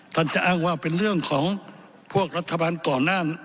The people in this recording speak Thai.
ท่านจะอ้างว่าเป็นเรื่องของพวกรัฐบาลก่อนหน้า